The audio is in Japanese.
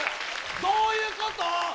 どういうこと？